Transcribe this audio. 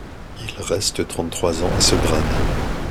Il reste trente-trois ans à ce grade.